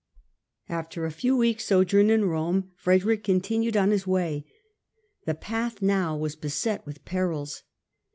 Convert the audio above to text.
After a few weeks' sojourn in Rome, Frederick con tinued on his way. The path now was beset with perils.